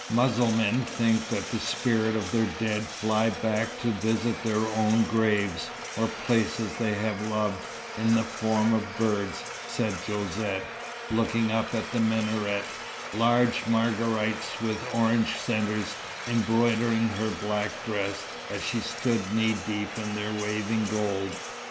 "Mussulmans think that the spirits of their dead fly back to visit their own graves, or places they have loved, in the form of birds," said Josette, looking up at the minaret, large marguerites with orange centres embroidering her black dress, as she stood knee deep in their waving gold.